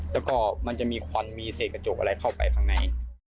แล้วก็มันจะมีควันมีเศษกระจกอะไรเข้าไปข้างใน